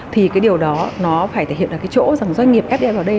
thì cái điều đó nó phải thể hiện ở cái chỗ rằng doanh nghiệp fdi vào đây